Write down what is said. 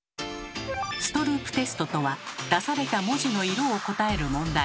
「ストループテスト」とは出された文字の色を答える問題。